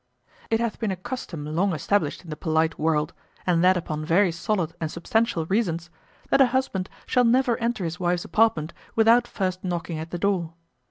It hath been a custom long established in the polite world, and that upon very solid and substantial reasons, that a husband shall never enter his wife's apartment without first knocking at the door.